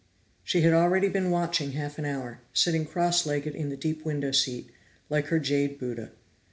She had already been watching half an hour, sitting cross legged in the deep window seat, like her jade Buddha.